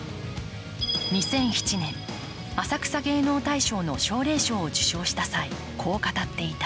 ２００７年浅草芸能大賞の奨励賞を受賞した際、こう語っていた。